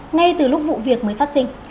ngay từ lúc vụ việc mới phát sinh